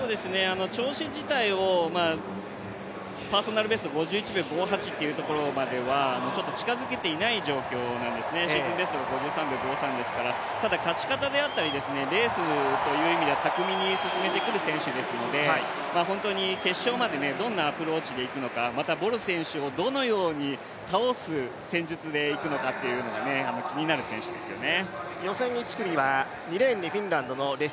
調子自体をパーソナルベスト５８秒５８まではちょっと近づけていない状況なんですね、シーズンベストは５３秒５３ですから、勝ち方であったりとかレースという意味では巧みに進めてくる選手ですので決勝までどんなアプローチでいくのかまたボル選手をどのように倒す戦術でいくのかが気になる選手ですよね。